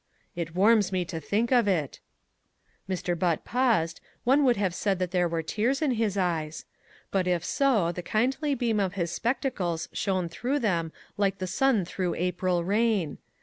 It warms me to think of it." Mr. Butt paused, one would have said there were tears in his eyes. But if so the kindly beam of his spectacles shone through them like the sun through April rain.